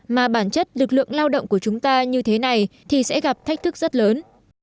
mà bản chất lực lượng lao động của chúng ta như thế này thì sẽ gặp thách thức rất lớn